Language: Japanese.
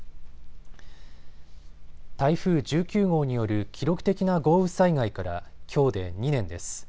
台風１９号による記録的な豪雨災害からきょうで２年です。